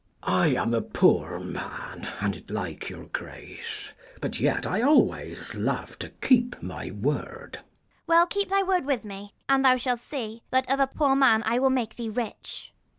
Mess. I am a poor man, and it like your grace ; But yet I always love to keep my word. TO Ragan. Well, keep thy word with me, and thou shall see, That of a poor man I will make thee rich.